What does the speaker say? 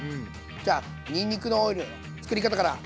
じゃあにんにくのオイル作り方から。